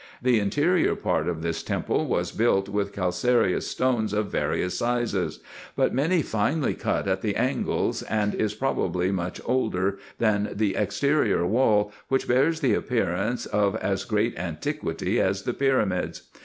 The interior part of this temple was built with calcareous stones of various sizes, but many finely cut at the angles, and is probably much older than the ex terior wall, which bears the appearance of as great antiquity as the pyramids.